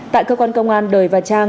tại cơ quan công an đời và trang